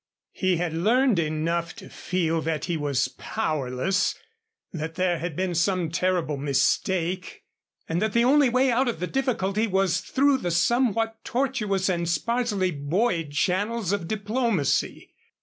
He had learned enough to feel that he was powerless, that there had been some terrible mistake, and that the only way out of the difficulty was through the somewhat tortuous and sparsely buoyed channels of diplomacy.